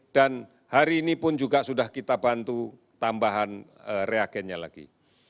dan hari ini pun juga sudah kita bantu tambahan reagennya lagi